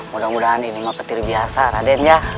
mudah mudahan ini mah petir biasa raden ya